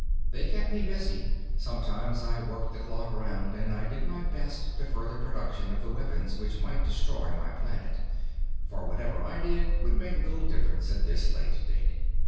They kept me busy; sometimes I worked the clock around, and I did my best to further production of the weapons which might destroy my planet. For whatever I did would make little difference at this late date.